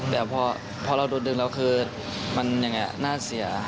แต่พอเราโดนดึงแล้วคือมันอย่างไรหน้าเสีย